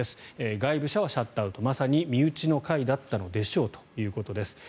外部者はシャットアウトまさに身内の会だったのでしょうということです。